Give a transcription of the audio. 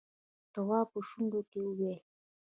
تواب په شونډو کې وويل: